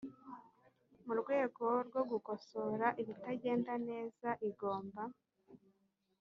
mu rwego rwo gukosora ibitagenda neza igomba